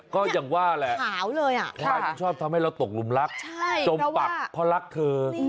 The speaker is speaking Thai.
ควายชอบทำให้เราตกหลุมรักจมปักเพราะรักเธอ